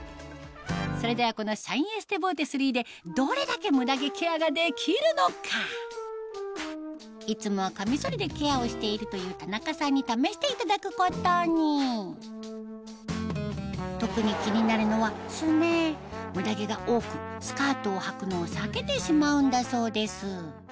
それではこのシャインエステボーテ３でいつもはカミソリでケアをしているという田中さんに試していただくことにムダ毛が多くスカートをはくのを避けてしまうんだそうです